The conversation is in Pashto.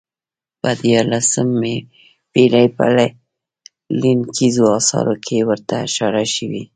په دیارلسمې پېړۍ په لیکنیزو اثارو کې ورته اشاره شوې.